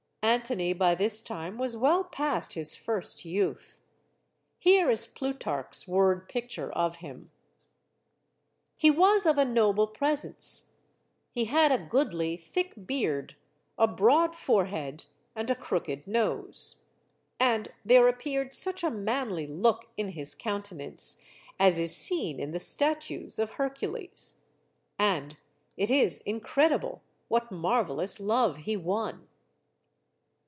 Antony by this time was well past his first youth. Here is Plutarch's word picture of him: He was of a noble presence. He had a goodly, thick beard, a broad forehead, and a crooked nose. And there ap peared such a manly look in his countenance 38 is seen in the statues of Hercules. ... And it is incredible what marvelous love he won.